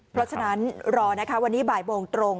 เพราะฉะนั้นรอนะคะวันนี้บ่ายโมงตรง